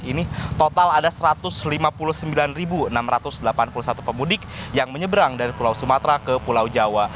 ini total ada satu ratus lima puluh sembilan enam ratus delapan puluh satu pemudik yang menyeberang dari pulau sumatera ke pulau jawa